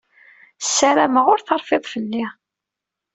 Ssarameɣ ur terfiḍ fell-i.